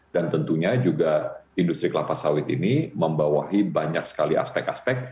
dan tentunya juga industri kelapa sawit ini membawahi banyak sekali aspek aspek